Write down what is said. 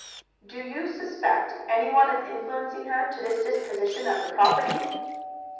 "Do you suspect anyone of influencing her to this disposition of her property?"